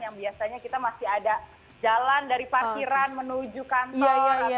yang biasanya kita masih ada jalan dari parkiran menuju kantor